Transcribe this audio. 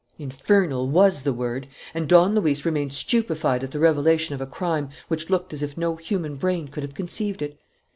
Infernal was the word! And Don Luis remained stupefied at the revelation of a crime which looked as if no human brain could have conceived it.